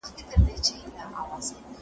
بېخبره له آغازه بې پروا مي له انجام یم